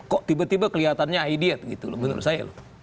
kok tiba tiba kelihatannya aidiat gitu menurut saya loh